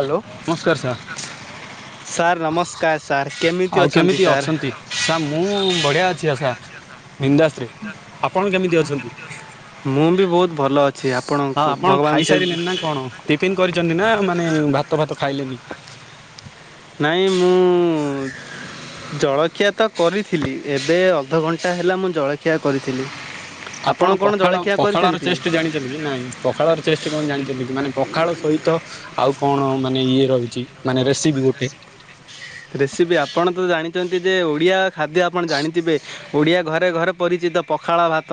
Hello ନମସ୍କାର sir sir ନମସ୍କାର sir. କେମିତି ଆଉ ଅଛନ୍ତି କେମିତି ସାର୍? ଅଛନ୍ତି ସା ମୁଁ ବଢିଆ ଅଛି ଆଶା ବିନ୍ଦାଶ୍ ରେ ଆପଣ କେମିତି ଅଛନ୍ତି? ମୁଁ ବି ବହୁତ ଭଲ ଅଛି ହଁ ଆପଣଙ୍କୁ ଆପଣ ଭଗବାନ ସେ ଖାଇସାରିଲେ ନା କଣ ଟିଫିନ କରି ଛନ୍ତି ନା ମାନେ ଭାତ ଫାତ ଖାଇଲେନି। ନାଇଁ ମୁଁ ଜଳଖିଆ ତ କରିଥିଲି ଏବେ ଅଧଘଣ୍ଟା ହେଲା ମୁଁ ଜଳଖିଆ କରିଥିଲି। ଆପଣ କଣ ପଖାଳ ଜଳଖିଆ ପଖାଳର କରିଛନ୍ତି? ଚେଷ୍ଟ ଜାଣିଛନ୍ତି କି ନାଇଁ ପଖାଳର ଚେଷ୍ଟ କଣ ଜାଣି [unintelligible] ମାନେ ପଖାଳ ସହିତ ଆଉ କଣ ମାନେ ଇଏ ରହିଛି ମାନେ ରେସିପି ଗୋଟେ? ରେସିପି ଆପଣ ତ ଜାଣିଛନ୍ତି ଯେ ଓଡିଆ ଖାଦ୍ୟ ଆପଣ ଜାଣିଥିବେ ଓଡିଆ ଘରେ ଘରେ ପରିଚିତ ପଖାଳ ଭାତ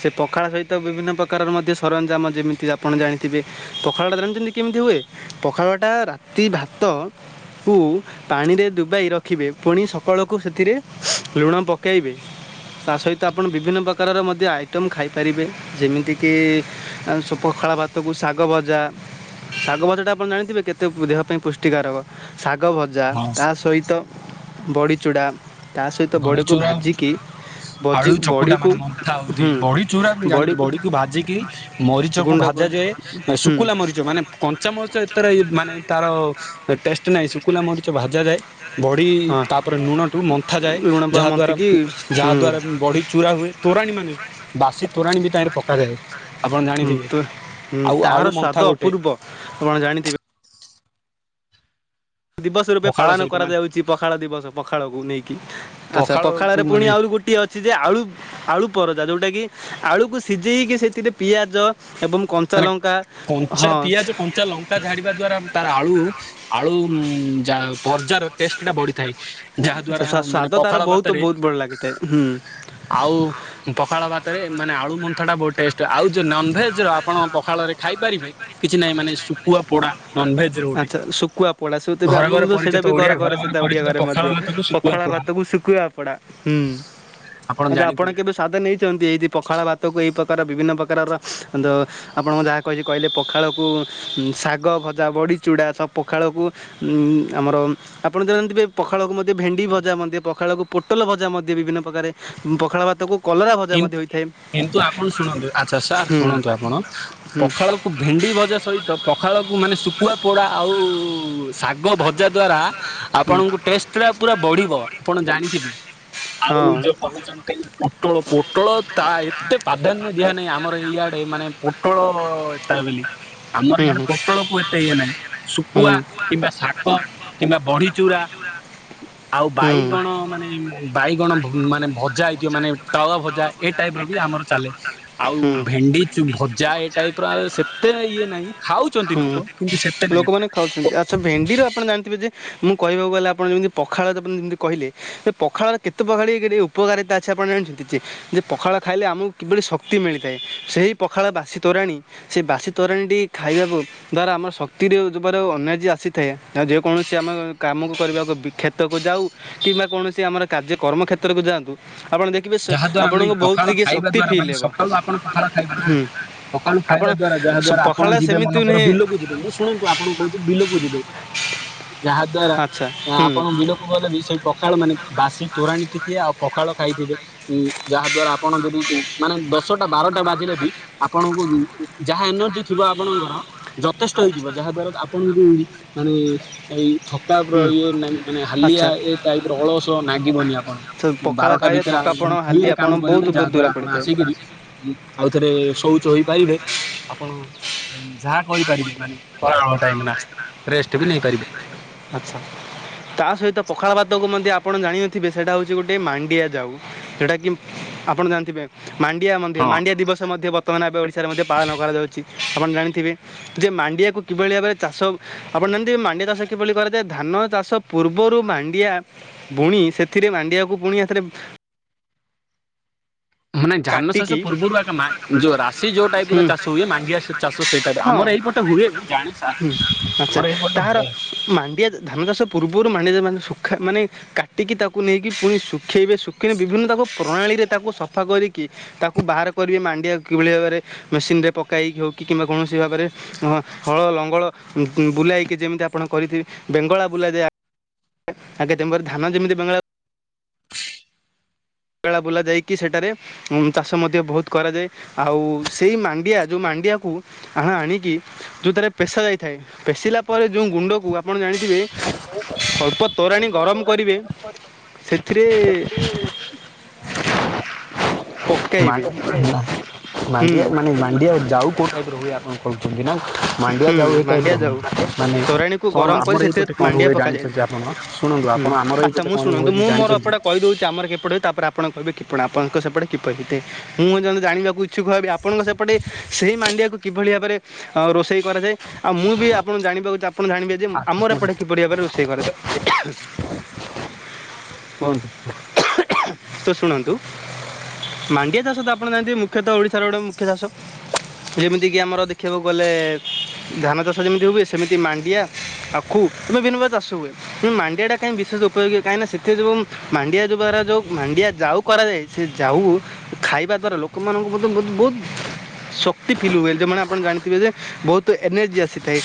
ସେ ପଖାଳ ସହିତ ବିଭିନ୍ନ ପ୍ରକାରର ମଧ୍ୟ ସରଞ୍ଜାମ ଯେମିତି ଆପଣ ଜାଣିଥିବେ ପଖାଳଟା ଜାଣିଛନ୍ତି କେମିତି ହୁଏ ପଖାଳଟା ରାତି ଭାତ କୁ ପାଣିରେ ଦୁବେଇ ରଖିବେ ପୁଣି ସକାଳକୁ ସେଥିରେ ଲୁଣ ପକାଇବେ ତା ସହିତ ଆପଣ ବିଭିନ୍ନ ପ୍ରକାରର ମଧ୍ୟ ଆଇଟମ୍ ଖାଇପାରିବେ ଯେମିତିକି ଆ [unintelligible] ପଖାଳ ଭାତକୁ ଶାଗ ଭଜା ଶାଗ ଭଜାଟା ଆପଣ ଜାଣିଥିବେ କେତେ ଦେହ ପାଇଁ ପୁଷ୍ଟିକାରକ ଶାଗ ଭଜା ହଁ ତା ସହିତ ବଡ଼ି ଚୂଡ଼ା ତା ସହିତ ବଡ଼ିକୁ ବଢିଚୁରା ଆଉ ଭାଜିକି ଭଜି ଆଳୁ ଚକୁଟା ବଡ଼ିକୁ ମାନେ ମନ୍ଥା ହଉଥିଏ ହୁଁ ବଢିଚୁରା ମୁଁ ଜାଣିଚି ବଡ଼ିକୁ ବଢ଼ିକୁ ଭାଜିକି ମରିଚକୁ ଗୁଣ୍ଡ ଭା ଭାଜା କରି ଯାଏ ହୁଁ ଶୁକୁଲା ମରିଚ ମାନେ କଞ୍ଚା ମରିଚ ଏତ ତେରେ ମାନେ ତାର ଟେଷ୍ଟ ନାହିଁ ଶୁକୁଲା ମରିଚ ଭାଜା ଯାଏ। ବଢି ହଁ ତାପରେ ନୁଣଠୁ ମ ନ୍ଥା ଯାଏ ଲୁଣ ବା ଯାହା ଦ୍ଵାରା ମନ୍ଥିକି ହୁଁ ଯାହା ଦ୍ଵାରା ବଢିଚୁରା ହୁଏ ତୋରାଣୀ ମାନେ ବାସ ସୀ ତୋରାଣୀ ବି ତାହିଁରେ ପକାଯାଏ। ଆପଣ ହୁଁ ଜାଣିଥିବେ ତ ହୁଁ ଆଉ ତାହାର ଆଳୁ ସ୍ୱାଦ ମନ୍ଥା ଗୋଟେ ଅପୂର୍ବ ଆପଣ ଜାଣିଥିବେ ଦିବସ ରୂପେ ପଖାଳ ପାଳନ ସହିତ ମାନେ କରାଯାଉଛି ପଖାଳ ଦିବସ ପଖାଳକୁ ନେଇକି ଆଚ୍ଛା ପଖାଳକୁ ପଖାଳରେ ପୁଣି ମାନେ ଆହୁରି ଗୋଟିଏ ଅଛି ଯେ ଆଳୁ ଆଳୁ ପର ଟା ଯୋଉଟା କି ଆଳୁକୁ ସିଝେଇକି ସେଥିରେ ପିଆଜ ଏବଂ କଞ୍ଚା ମାନେ ଲଙ୍କା ହଁ କଞ୍ଚା ପିଆଜ ଆଚ୍ଛା କଞ୍ଚା ଲଙ୍କା ଝାଡିବା ଦ୍ଵାରା ତାର ଆଳୁ ଆଳୁ ଉଁ ଉଁ ଯା ହଉ। ବର୍ଜାର ଟେଷ୍ଟ ଟା ବଢିଥାଏ ଯାହା ଦ୍ଵାରା ସ୍ୱା- ମାନେ ସ୍ୱାଦ ତାର ପଖାଳ ବହୁତ ଭାତରେ ବହୁତ ବଡ଼ ଲାଗିଥାଏ ହୁଁ ଆଉ ପଖାଳ ଭାତରେ ମାନେ ଆଳୁ ମନ୍ଥା ଟା ବ ଆଉ ଯୋଉ ନନଭେଜ ର ଆପଣ ପଖାଳ ରେ ଖାଇପାରିବେ କିଛି ନାହିଁ ମାନେ ଶୁଖୁଆ ପୋଡା। ନନଭେଜ ର ଗୋଟେ ଆଚ୍ଛା ଶୁଖୁଆ ପୋଡା ସେ ଘରେ ଆମ ଘରେ ସେଇଟା ପରିଚିତ ବି ଘର ଓଡିଆ ଘରେ ସେଟା ଓଡିଆ ପରିଚିତ ଘରେ ପଖାଳ ମଧ୍ୟ ଭାତକୁ ଶୁଖୁଆ ପଖାଳ ପୋଡା ଭାତକୁ ଶୁଖୁଆ ପୋଡ଼ା ହୁଁ ଆଚ୍ଛା ଆପଣ କେବେ ସ୍ୱାଦ ନେଇଛନ୍ତି ଏଇିତି ପଖାଳ ଭାତକୁ ଏଇ ପ୍ରକାର ବିଭିନ୍ନକାର ପ୍ରକାରର ଆପଣ ଯାହା କହିଛି କହିଲେ ପଖାଳକୁ ଶାଗ ଭଜା ବଡ଼ି ଚୁଡ଼ା ସବୁ ପଖାଳକୁ ଉଁ ଆମର ଆପଣ ଜାଣିଥିବେ ପଖାଳକୁ ମଧ୍ୟ ଭେଣ୍ଡି ଭଜା ମଧ୍ୟ ପଖାଳ ପଖାଳକୁ ପୋଟଲ ଭଜା ମଧ୍ୟ ବିଭିନ୍ନ ପ୍ରକାର ପଖାଳ ଭାତକୁ କଲରା ଭଜା କି ମଧ୍ୟ ହୋଇଥାଏ। କିନ୍ତୁ ଆପଣ ଶୁଣନ୍ତୁ ଆଚ୍ଛା ସାର୍ ହୁଁ ଶୁଣନ୍ତୁ ଆପଣ ହୁଁ ପଖାଳକୁ ଭେଣ୍ଡି ଭଜା ସହିତ ପଖା ପଖାଳକୁ ମାନେ ଶୁଖୁଆ ପୋଡ଼ା ଆଉ ଶାଗ ଭଜା ଦ୍ଵାରା ହୁଁ। ଆପଣଙ୍କୁ ଟେଷ୍ଟ ଟା ପୁରା ବଢିବ ଆପଣ ଜାଣିଥିବେ। ଆଉ ହଁ ଯୋଉ କହୁଛନ୍ତି [unintelligible] ପୋଟଳ ତା ଏତେ ପ୍ରାଧାନ୍ୟ ଦିଆ ନାହିଁ ଆମର ଏଇଆଡେ ମାନେ ପୋଟଳ ତା ବୋଲି ଆମର ହୁଁ ଇଆଡେ ହୁଁ ପୋଟଳକୁୁ ଏତେ ଇଏ ନାହିଁ ଶୁଖୁଆ କିମ୍ବା କିମ୍ବା ଶାଗ କିମ୍ବା ବଡ଼ିଚୁୁରା ଆଉ ବାଇଗଣ ମାନେ ବାଇଗଣ ମାନେ ଭଜା ହେଇଥିବ ମାନେ ତାୱା ଭଜା ଏ ଟାଇପ ର ବି ଆମର ଚାଲେ ଆଉ ଭେଣ୍ଡି ଚୁ ଭଜା ଏଇ ଟାଇପ ର ଆଉ ସେତ୍ ତେ ଇଏ ନାଇଁ ଖାଉଛନ୍ତି ନୁକ କିନ୍ତୁ ସେତେ ନାଇଁ। ଲୋକମାନେ ଖାଉଛନ୍ତି ଆଚ୍ଛା ଭେଣ୍ଡିର ଆପଣ ଜାଣିଥିବେ ଯେ ମୁଁ କହିବାକୁ ଗଲେ ଆପଣ ଯେମିତି ପଖାଳ ଯେମିତି କହେ ପଖାଳର କେତେ ପଖାଳି ଉପକାରିତା ଅଛି ଆପଣ ଜାଣିଛନ୍ତି? ଯେ ପଖାଳ ଖାଇଲେ ଆମକୁ କିଭଳି ଶକ୍ତି ମିଳିଥାଏ ସେଇ ପଖାଳ ବାସି ତୋରାଣି ବାସୀ ତୋରାଣି ତୋରାଣି ଟି ଖାଇବାକୁ ଦ୍ଵାରା ଆମର ଶକ୍ତିରେ [unintelligible] ଅନର୍ଜି ଆ ଆସିଥାଏ ଆଉ ଯେକୌଣସି ଆମ କାମକୁ କରିବାକୁ କ୍ଷେତକୁ ଯାଉ କିମ୍ବା କୌଣସି ଆମର କାର୍ଯ୍ୟ କରମ କର୍ମକ୍ଷେତ୍ରକୁ ଯାଆନ୍ତୁ ଆପଣ ଦେଖିବେ ଶ୍ ଯାହା ଦ୍ଵାରା ନାଇଁ ଆପଣଙ୍କୁ ବହୁତ ପଖାଳ ଟିକେ ଖାଇବା ଶକ୍ତି ଦ୍ଵାରା ଫିଲ୍ ମାନେ ହେବ ସକାଳୁ ଆପଣ ପଖାଳ ଖାଇବେ ନା ହୁଁ। ସକାଳୁ ଆପଣ ଖାଇବା ଦ୍ଵାରା ଯାହାଦ୍ୱାରା ଆପଣ ପଖାଳ ଯିବେ ସେମିତି ମନକର ନୁହେଁ ବିଲକୁ ଯିବେ ମୁଁ ଶୁଣନ୍ତୁ ଆପଣ ଙ୍କୁ କହୁଚି ବିଲକୁ ବୁଝିଲେ ଯାହା ଦ୍ୱାରା ଆଚ୍ଛା ହୁଁ ଆପଣ ବିଲକୁ ଗଲେ ବି ସେଇ ପଖାଳ ମାନେ ବାସି ତୋରାଣୀ ଟିକେ ଆଉ ପଖାଳ ଖାଇଥିବେ ଯାହା ଦ୍ୱାରା ଆପଣ ଯଦି ମାନେ ଦଶଟା ବାରଟା ବାଜିଲେ ବି ଆପଣଙ୍କୁ ଉଁ ଯାହା ଏନର୍ଜି ଥିବ ଆପଣ ଯଥେଷ୍ଟ ହେଇଯିବ ଯାହା ଦ୍ୱାରା ଆପଣଙ୍କୁ ମାନେ ଏଇ ଥକା [unintelligible] ହୁଁ ଇଏ ନାଇଁ ମାନେ ହାଲିଆ ଆଚ୍ଛା ଏ ଟାଇପ ର ଅଳସ ନାଗିବନି ଆପଣ ତ ଙ୍କୁ ପଖାଳ ବାରଟା ଖାଇଲେ ଭିତରେ ଆ ଥକାପଣ ଫ୍ରୀରେ ହାଲିଆପଣ କାମ ବହୁତ କରିବେ ଯାହା ବହୁତ ଦୂର ଦ୍ଵାରା ଆପଣ ପଡ଼ିଥାଏ ଆସିକିରି ଆଉ ଥରେ ଶୌଚ ହେଇପାରିବେ ଆପଣ ଯାହା କରିପାରିବେ ମାନେ [unintelligible] ରେଷ୍ଟ ବି ନେଇପାରିବେ। ଆଚ୍ଛା ତା ସହିତ ପଖାଳଭାତକୁ ମଧ୍ୟ ଆପଣ ଜାଣିନଥିବେ ସେଟା ହଉଚି ଗୋଟେ ମାଣ୍ଡିଆ ଯାଉ ସେଟା କି ଆପଣ ଜାଣିଥିବେ ମାଣ୍ଡିଆ ମଧ୍ୟ ହଁ ମାଣ୍ଡିଆ ଦିବସ ମଧ୍ୟ ବର୍ତ୍ତମାନ ଏବେ ଓଡ଼ିଶାରେ ମଧ୍ୟ ପାଳନ କରାଯାଉଛି। ଆପଣ ଜାଣିଥିବେ ଯେ ମାଣ୍ଡିଆକୁ କିଭଳି ଭାବରେ ଚାଷ ଆପଣ ଜାଣିଥିବେ ମାଣ୍ଡିଆ ଚାଷ କିଭଳି କରାଯାଏ ଧାନ ଚାଷ ପୂର୍ବରୁ ମାଣ୍ଡିଆ ବୁଣି ସେଥିରେ ମାଣ୍ଡିଆକୁ ପୁଣି ଏଥିରେ ମାନେ ଧାନ ଚାଷ କାଟିକି ପୂର୍ବରୁ ଆଗ ମାନ୍ ଯଉ ରାଶି ଯୋଉ ଟାଇପ ହୁଁ, ର ଚାଷ ହୁଏ ମାଣ୍ଡିଆ ସେ ଚାଷ ସେଇ ଟାଇପ୍ ର ହଁ ଆମର ଏଇପଟେ ହୁଏ ମୁଁ ଜାଣେ ସାର୍ ଆଛା ଆମର ଏଇପଟେ ତାହାର ହୁଏ। ମାଣ୍ଡିଆ ଧାନଚାସ ପୂର୍ବରୁ [unintelligible] ମାନେ ଶୁଖା ମାନେ କାଟିକି ତାକୁ ନେଇକି ପୁଣି ଶୁଖେଇବେ ଶୁଖେଇେ ବିଭିନ୍ନ ତାକୁ ପ୍ରଣାଳୀ ରେ ତାକୁ ସଫା କରି କି ତାକୁ ବାହାର କରିବେ ମାଣ୍ଡିଆକୁ କିଭଳି ଭାବରେ ମେସିନରେ ପକାଇକି ହୋଉ କି କିମ୍ବା କୌଣସି ଭାବରେ ହଳ ଲଙ୍ଗଳ ଉଁ ବୁଲାଇକି ଯେମିତି ଆପଣ କରିଥିବେ ବେଙ୍ଗଳା ବୁଲାଯାଏ ଆ [unintelligible] ଧାନ ଯେମିତି ବେଙ୍ଗଳା ବେଙ୍ଗଳା ବୁଲା ଯାଇକି ସେଠାରେ ଚାଷ ମଧ୍ୟ ବୋହୁତ କରାଯାଏ ଆଉ ସେଇ ମାଣ୍ଡିଆ ଯୋଉ ମାନଡ୍ ମାଣ୍ଡିଆକୁ ହା ଆଣିକି ଯୋଉଥିରେ ପେଶା ଯାଇଥାଏ ପେଷିଲା ପରେ ଯୋଉ ଗୁଣ୍ଡକୁ ଆପଣ ଜାଣି ଅଳ୍ପ ତୋରାଣି ଗରମ କରିବେ ସେଥିରେ ପକାଇବେ ମାଣ୍ଡ ବି ଖାଇନ ହୁଁ ମାଣ୍ଡିଆ ମାନେ ମାଣ୍ଡିଆ ଯାଉ କୋଉ ଟାଇପ ର ହୁଏ ଆପଣ କହୁ କାହିଁକି ନା ମାଣ୍ଡିଆ ହୁଁ ଯାଉ ଏଇ ଟାଇପ ମାଣ୍ଡିଆ ର ଯାଉ ହୁଏ ମାନେ ତୋରାଣୀକୁ କଣ ଗରମ କରି ଆମର ସେଥିରେ ଏଇପଟେ କଣ ମାଣ୍ଡିଆ ହୁଏ ଜାଣିଚନ୍ତି ପକାଯାଇଥାଏ ଆପଣ? ଶୁଣ ଶୁଣନ୍ତୁ ହୁଁ ଆପଣ ଆମର ଏଇ ଆଚ୍ଛା ପଟେ ମୁଁ କଣ ଶୁଣନ୍ତୁ ହୁଅନ୍ତି ମୁଁ ମୋର ଜାଣିଚନ୍ତି? ଏପଟେ କହିଦେଉଛି ଆମର କିପଟେ ହୁଏ ତାପରେ ଆପଣ କହିବେ କିପଣ ଆପଣଙ୍କ ସେପଟେ କିପରି ହେଇଥାଏ ମୁଁ ଜଣେ ଜାଣିବାକୁ ଇଚ୍ଛୁକ ହେବି ଆପଣଙ୍କ ସେପଟେ ସେଇ ମାଣ୍ଡିଆକୁ କିଭଳି ଭାବରେ ଅ ରୋଷେଇ କରାଯାଏ ଆଉ ମୁଁ ବି ଆପଣ ଜାଣିବାକୁ ଆପଣ ଜାଣିବେ ଯେ ଆଚ୍ଛା ଆମର ଏପଟେ କୁହନ୍ତୁ କିପରି ଭାବରେ ରୋଷେଇ କରାଯାଏ। କୁହନ୍ତୁ? ନ୍ତୁ। ମାଣ୍ଡିଆ ଚାଷ ତ ଆପଣ ଜାଣିଥିବେ ମୁଖ୍ୟତ ଓଡିଶାର ଗୋଟେ ମୁଖ୍ୟ ଚାଷ ଯେମିତି କିି ଆମର ଦେଖିବାକୁ ଗଲେ ଧାନ ଚାଷ ଯେମିତି ହୁଏ ସେମିତି ମାଣ୍ଡିଆ। ଆଖୁ ବିଭିନ୍ନ ପ୍ରକାର ଚାଷ ହୁଏ କିନ୍ତୁ ମାଣ୍ଡିଆ ଟା କାହିଁକି ବିଶେଷ ଉପଯୋଗୀ କାହିଁକି କି ନା ସେଥି ଯୋଗୁ ମାଣ୍ଡିଆ [unintelligible] ଯୋଉ ମାଣ୍ଡିଆ ଯାଉ କରାଯାଏ ସେ ଯାଉ ଖାଇବା ଦ୍ଵାରା ଲୋକମାନଙ୍କୁ ମଧ୍ୟ ବୋହୁତ ବହୁତ ଶକ୍ତି ଫିଲ୍ ହୁଏ ଯେମାନେ ଆପଣ ଜାଣି ଥିବେ ଯେ ବହୁତ ଏନେର୍ଜି ଆସିଥାଏ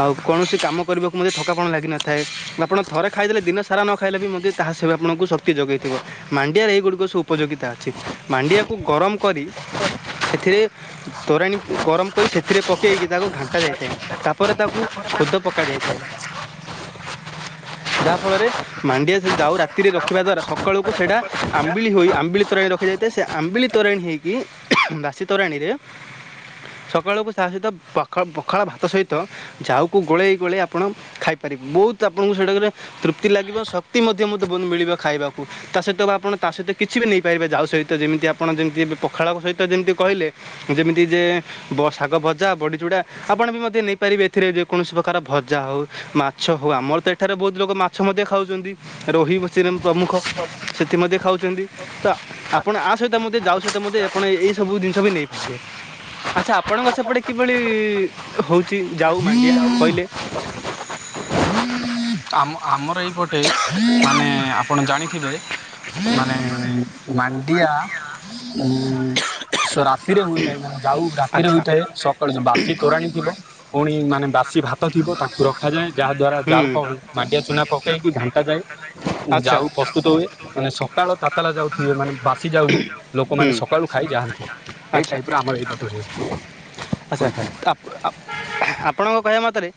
ଆଉ କୌଣସି କାମ କରିବାକୁ ମଧ୍ୟ ଥକାପଣ ଲାଗିନଥାଏ ଯାହା ଆପଣ ଥରେ ଖାଇଦେଲେ ଦିନ ସାରା ନ ଖାଇଲେ ବି ମଧ୍ୟ ତାହା ସେ ଆପଣଙ୍କୁ ଶକ୍ତି ଯୋଗେଇଥିବ ମାଣ୍ଡିଆରେ ଏଗୁଡ଼ିକ ସବୁ ଉପଯୋଗିତା। ଛି ମାଣ୍ଡିଆକୁ ଗରମ କରି ସେଥିରେ ତୋରାଣି ଗରମ କରି ସେ ଥିରେ ପକେଇକି ତାକୁ ଘାଣ୍ଟା ଯାଇଥାଏ ତାପରେ ତାକୁ ଖୁଦ ପକା ଯାଇଥାଏ। ଯାହା ଫଳରେ ମାଣ୍ଡିଆ ସେ ଯା ଯାଉ ରାତିରେ ରଖିବା ଦ୍ଵାରା ସକାଳୁକୁ ସେଇଟା ଆମ୍ବିଳି ହୋଇ ଆମ୍ବିଳି ତୋରାଣୀ ର ହେଇଯାଇଥାଏ ସେ ଆମ୍ବିଲି ତୋରାଣି ହେଇକି ଉଁ ହୁଁ ବାସି ତୋରାଣି ରେ ସକାଳୁ ତା ସହିତ ପଖାଳ ପଖାଳ ଭାତ ସହିତ ଜାଉକୁ ଗୋଳେଇ ଗୋଳେଇ ଆପଣ ଖାଇପାରିବେ ବହୁତ ଆପଣଙ୍କୁ ସେଇଟା କଲେ ତୃପ୍ତି ଲାଗିବ ଶକ୍ତି ମଧ୍ୟ ମଧ୍ୟ ବହୁତ ମିଳିବ ଖାଇବାକୁ ତା ସହିତ ଆପଣ ତା ସହିତ କିଛି ବି ନେଇପା କେବେ ଯାଉ ସଇତ ଯେମିତି ଆପଣ ଯେମିତି ଏବେ ପଖାଳ ସହିତ ଯେମିତି କଇଲେ ଯେମିତି ଯେ ବସ୍ ଶାଗ ଭଜା, ବଡ଼ିଚୁଡ଼ା, ଆପଣ ବି ମଧ୍ୟ ନେଇପାରିବେ ଏଥିରେ ଯେକୌଣସି ପ୍ରକାର ଭଜା ହଉ ମାଛ ହଉ ଆମର ମତେ ଏଠାରେ ବହୁତ ଲୋକ ମାଛ ମଧ୍ୟ ଖାଉଚନ୍ତି ରୋହି, ଚିରିମ୍ ପ୍ରମୁଖ ସେଥି ମଧ୍ୟ ଖାଉଚନ୍ତି। ତ ଆପଣ ଆ ସହିତ ମଧ୍ୟ ଯାଉ ସହିତ ମଧ୍ୟ ଆପଣ ଏ-ଏଇ ସବୁ ଜିନିଷ ବି ନେଇପାରିବେ ଆଚ୍ଛା ଆ ଆପଣଙ୍କ ସେପଟେ କିଭଳି ହଉଚି ଯାଉ ମାଣ୍ଡିଆ କଇଲେ? ଆମ ଆମର ଏଇପଟେ ମାନେ ଆପଣ ଜାଣିଥିବେ। ମାନେ ମାଣ୍ଡିଆ ଉଁ ସ ରାତିରେ ହୋଇଥାଏ ମାନେ ଯାଉ ରାତିରେ ଆଚ୍ଛା ହୋଇଥାଏ ସକାଳୁ ହୁଁ ବାସି ତୋରାଣୀ ଥିବ ପୁଣି ମାନେ ବାସି ଭାତ ଥିବ ତାଙ୍କୁ ରଖାଯାଏ ଯାହା ଦ୍ଵାରା ଯାଉ ହଉ ମାଣ୍ଡିଆ ଚୁନା ପକେଇକି ଘାଣ୍ଟା ଯାଏ। ଆଚ୍ଛା ଯାଉ ପ୍ରସ୍ତୁତ ହୁଏ ମାନେ ସକାଳ ତାତାଲା ଯାଉ ହିରୋଇନ୍ ମାନେ ବାସି ଯାଉକୁ ଲୋକମାନେ ହୁଁ ସକାଳୁ ଖାଇ ଯାଆନ୍ତି ଏଇ ଟାଇପ ର ଆମର ଏଇପଟେ ହୁଏ। ଆଛା ହୋଇଥାଏ ଆପ ଆପ ଆପଣଙ୍କ କହିବା ମତରେ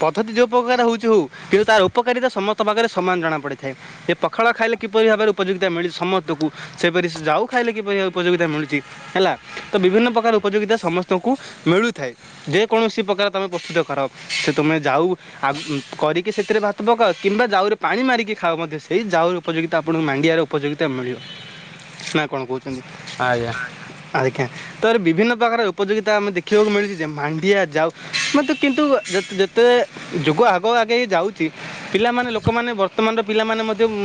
ପ ଧତି ଯୋଉ ପ୍ରକାର ହଉଚି ହଉ କିନ୍ତୁ ତାର ଉପକାରିତା ସମ ତା ପାଖରେ ସମାନ ଜଣା ପଡିଥାଏ ଏ ପଖାଳ ଖାଇଲେ କିପରି ଭାବରେ ଉପଯୋଗିତା ମିଳିଛି ସମସ୍ତଙ୍କୁ ସେପରି ଯାଉ ଖା ଖାଇଲେ କିପରି ଉପଯୋଗିତା ମିଳୁଚି ହେଲା ତ ବିଭିନ୍ନ ପ୍ରକାର ଉପଯୋଗିତା ସମ ତକୁ ମିଳୁଥାଏ ଯେ କୌଣସି ପ୍ରକାର ତମେ ପ୍ରସ୍ତୁତ କର ସେ ତୁମେ ଯାଉ ଆଉ କ କରିକି ସେତିରେ ଭାତ ପକାଅ କିମ୍ବା ଜାଉରେ ପାଣି ମାରିକି ଖାଅ ମଧ୍ୟ ସେଇ ଜାଉରେ ଉପଯୋଗୀତା ଆପଣଙ୍କୁ ମାଣ୍ଡିଆରେ ଉପଯୋଗୀତା ମିଳୁ। ନା କଣ କଉଚନ୍ତି ଆଜ୍ଞା। ଆଜ୍ଞା ତ ବିଭିନ୍ନ ପ୍ରକାର ଉପଯୋଗିତା ଆମେ ଦେଖିବାକୁ ମିଳୁଚି ଯେ ମାଣ୍ଡିଆ ଯାଉ ମୋତେ କିନ୍ତୁ ଅ ଯେ-ଯେତେ ଯୁଗ ଆଗ ଆଗେଇ ଯାଉଚି ପିଲାମାନେ ଲୋକମାନେ ବର୍ତ୍ତମାନର ପିଲାମାନେ ମଧ୍ୟ ଉଁ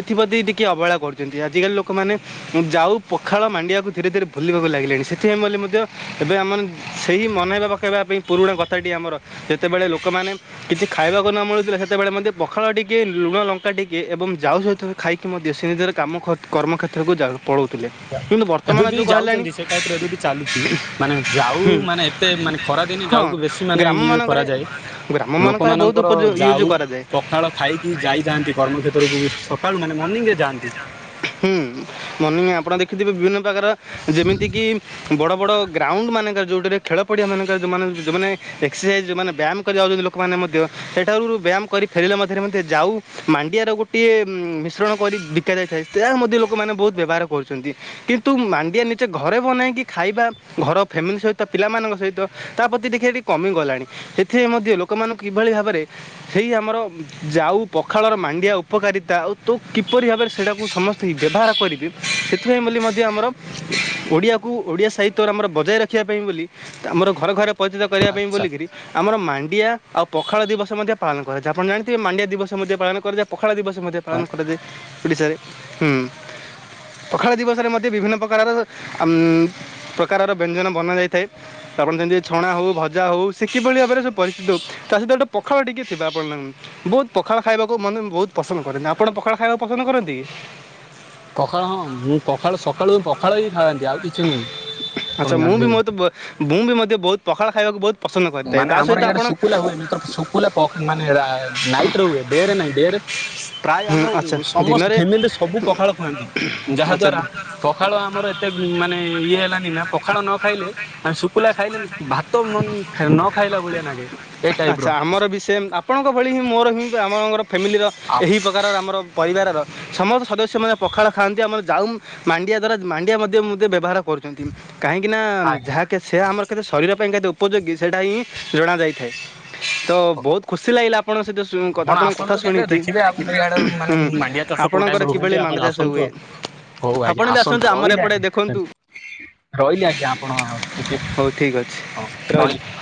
ଏଥିପ୍ରତି ଟିକେ ଅବହେଳା କରୁଚ ଆଜିକାଲି ଲୋକମାନେ ଯାଉ ପଖାଳ ମାଣ୍ଡିଆ କୁ ଧୀରେ ଧୀରେ ଭୁଲିବାକୁ ଲାଗିଲେଣି ସେଥିପାଇଁ ବୋଲି ମଧ୍ୟ ଏବେ ଆମେ ମାନେ ସେଇ ମନେଇବା ପକେଇବା ପାଇଁ ପୁରୁଣା କଥାଟି ଆମର ଯେତେବେଳେ ଲୋକମାନେ କିଛି ଖାଇବାକୁ ନ ମିଳୁଥିଲା ସେତେବେଳେ ମଧ୍ୟ ପଖାଳ ଟିକିଏ ଲୁ ଲୁଣ ଲଙ୍କା ଟିକେ ଏବଂ ଯାଉ ସହିତ ଖାଇକି ମଧ୍ୟ ସେମିତିରେ କାମ-ଖତ୍ କର୍ମକ୍ଷେତ୍ରକୁ ଯାଉ ପଳଉଥିଲେ କିନ୍ତୁ ଏବେ ବର୍ତ୍ତମାନ ବି ଯୁଗ ହେଲାଣି ଯାଉଚନ୍ତି ସେ ଟାଇପରେ ଏବେ ବି ଚାଲୁ ଚି ମାନେ ଜାଉ ହୁଁ ମାନେ ଏତେ ମାନେ ଖରା ଦିନେ ହଁ ଜାଉକୁ ବେଶୀ ମାନେ ଇଏ ଗ୍ରାମମାନଙ୍କରେ କରାଯାଏ ଲୋ ଗ୍ରାମମାନଙ୍କରେ ବହୁତ ଲୋକମାନଙ୍କର ଉପଯୋଗ ୟୁଜ୍ ଜାଉ କରାଯାଏ ପଖାଳ ଖାଇକି ଯାଇଥାନ୍ତି କର୍ମକ୍ଷେତ୍ରକୁ ସକାଳୁ ମାନେ ମର୍ଣିିଂରେ ଯା ଆନ୍ତି। ହୁଁ ମନେ ନିଅ ଆପଣ ଦେଖିଥିବେ ବିଭିନ୍ନ ପ୍ରକାର ଯେମିତି କି ବଡ଼ ବଡ଼ ଗ୍ରାଉଣ୍ଡ୍ ମାନଙ୍କରେ ଯୋଉଠିରେ ଖେଳ ପଡ଼ିଆମାନଙ୍କରେ ଯୋଉମାନେ ଯୋଉମାନେ ଏକ୍ସେସାଇଜ୍ ଯୋଉମାନେ ବ୍ୟାୟାମ କରିଯାଉଚତି ଲୋ କମାନେ ମଧ୍ୟ ଏଠାରୁ ବ୍ୟାୟାମ କରି ଫେରିଲା ମଧ୍ୟରେ ମଧ୍ୟ ଜାଉ ମାଣ୍ଡିଆର ଗୋଟିଏ ମିଶ୍ରଣ କରି ଇ ବିକା ଯାଇଥାଏ ତାହା ମଧ୍ୟ ଲୋକମାନେ ବହୁତ ବ୍ୟବହାର କରୁଛନ୍ତି କିନ୍ତୁ ମାଣ୍ଡିଆ ନିଜେ ଘରେ ବନାଇକି ଖାଇବା ଘର ଫ୍ୟାମିଲି ସହିତ ପିଲାମାନଙ୍କ ସହିତ ତା ପତି ଦେଖେ ଏଠି କମି ଗଲାଣି ସେଥିଏ ମଧ୍ୟ ଲୋ କମାନୁ କିଭଳି ଭାବରେ ସେଇ ଆମର ଜାଉ ପଖାଳର ମାଣ୍ଡିଆ ଉପକାରିତା ଆଉ ତୋ କି ପରି ଭାବରେ ସେଡ଼ାକୁ ସମସ୍ତିଙ୍କି ବ୍ୟବହାର କରିବେ ସେଥିପାଇଁ ବୋଲି ମଧ୍ୟ ଆମର ଓଡ଼ିଆ କୁ ଓଡ଼ିଆ ସାହିତ୍ୟର ଆମର ବଜାୟ ରଖିବା ପାଇଁ ବୋଲି ଆମର ଘର ଘର ଉପଜିତ କରିବା ପାଇଁ ଆଚ୍ଛା। ବୋଲିକିରି ଆମର ମାଁ ଡିଆ ଆଉ ପଖାଳ ଦିବସ ମଧ୍ୟ ପାଳନ ମଧ୍ୟ କରାଯା ଆପଣ ଜାଣିଥିବେ ମାଣ୍ଡିଆ ଦିବସ ମଧ୍ୟ ପାଳନ କରାଯାଏ ପ ଖାଳ ଦିବସ ମଧ୍ୟ ପାଳନ କରାଯଏ। ଓଡ଼ିଶାରେ ହୁଁ ପଖାଳ ଦିବସରେ ମଧ୍ୟ ବିଭିନ୍ନ ପ୍ରକାରର ଆମ୍ ପ୍ରକାରର ବ୍ୟଞ୍ଜନ ବନା ଯାଇଥାଏ ତ ଆପଣ ଜାଣିଥିବେ ଛଣା ହଉ ଭଜା ହଉ ତି କିଭଳି ଭାବରେ ସେ ପରିଚିତ ହୋଉ ତା ସହିତ ଅଟେ ପଖାଳ ଟିକେ ଥିବା ଆପଣ ନୁଁ ବହୁତ ପଖାଳ ଖାଇବାକୁ ମନେ ବହୁତ ପସନ୍ଦ କରନ୍ତି। ଆପଣ ପଖାଳ ଖାଇବାକୁ ପସନ୍ଦ କରନ୍ତି? ଘୃ। ପଖାଳ ହଁ ମୁଁ ପଖାଳ ସକାଳୁ ପଖାଳ ଇ ଆଚ୍ଛା ମୁଁ ବି ଜାଣିଥିବେ। ମହୁତ୍ ବ ମୁଁ ବି ମଧ୍ୟ ବହୁତ ପଖାଳ ଖାଇବାକୁ ବହୁତ୍ ମାନେ ଆମର ଇଆଡ଼େ ଶୁକୁଲା ହୁଏ ମାତ୍ର କ ଶୁକୁଲା ପ ମାନେ ରା ନାଇଟ୍ ର ହୁଏ ଡେରେ ନାଇଁ ଡେରେ ପ୍ରାୟ ଆମ ହୁଁ, ଆଚ୍ଛା ସମସ୍ତ ଦିନରେ ଫ୍ୟାମିଲିରେ ସବୁ ପଖାଳ ଖୁଆନ୍ତି ଯାହା ଆଚ୍ଛା ଦ୍ଵାରା ପଖାଳ ଆ ମୋର ଏତେ ମାନେ ଇଏ ହେଲାନି ନାଁ ପଖାଳ ନ ଖାଇଲେ ମାନେ ଶୁକୁଲା ଖାଇଲେ ଭାତ ନନ୍ ଖାଇବ ନ ଖାଇଲା ଭଳିଆ ନାଗେ ଏଟ୍ ଆଚ୍ଛା ଆମର ବି ସେମ୍ ଆପଣଙ୍କ ଭଳି ହିଁ ମୋର ହିଁ ବ୍ରାହ୍ମଣ ଘର ଫ୍ୟାମିଲିର ଏହି ପକାର ଆମର ପରିବାରର ସମସ୍ତ ସଦସ୍ୟମାନେ ପଖାଳ ଖାଆନ୍ତି ଆମର ଜାଉଁ ମାଣ୍ଡିଆ ଦ୍ଵାରା ମାଣ୍ଡିଆ ମଧ୍ୟ ମୁଦେ ବ୍ୟବହାର କରୁଚନ୍ତି କାହିଁକି ନାଁ ଆଜ୍ଞା। ଯାହାକେ ସେ ଆମର କେତେ ଶରୀର ପାଇଁ କେତେ ଉପଯୋଗୀ ସେଇଟା ହିଁ ଜଣାଯାଇଥାଏ। ତ ବହୁତ ଖୁସି ଲାଗିଲା ଆପଣ ସହିତ ଶୁ କଥା ଆପଣ ଆପଣଙ୍କ କଥା ଆସନ୍ତୁ କେବେ ଶୁଣିକି ଦେଖିବେ ଆପଣ ଇଆଡେ ମାନେ ହୁଁ ଆପଣଙ୍କର କିଭଳି ମାଣ୍ଡଚାଷ ହୁଏ ହୋଉ ଆପଣ ଆଜ୍ଞା ବି ଆସନ୍ତୁ। ଆମର ରହିଲି ଏପଟେ ଆଜ୍ଞା ଦେଖନ୍ତୁ ରହିଲି ଆଜ୍ଞା ଆପଣ ଟିକେ ହଉ ଠିକ୍ ଅଛି ହଁ ରହିଲି।